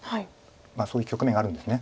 そういう局面があるんですね。